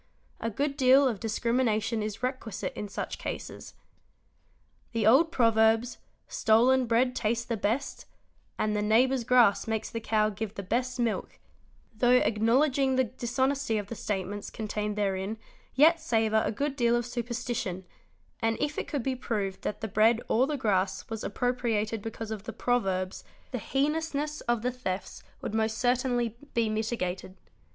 A good deal of discrimination is requisite in such cases. | The old proverbs, '" Stolen bread tastes the best'? and "The neighbour's _)" though acknowledging the dishonesty of the statements contained therein yet savour a good deal of superstition, and if it could be proved that the bread or the grass was appropriated because of the proverbs, the heinousness of the thefts would — most certainly be mitigated.